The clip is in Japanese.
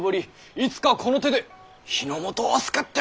「いつかこの手で日の本を救ってみせる！」と。